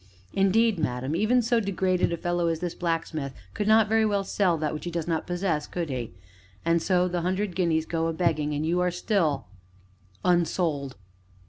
"Indeed, madam, even so degraded a fellow as this blacksmith could not very well sell that which he does not possess could he? And so the hundred guineas go a begging, and you are still unsold!"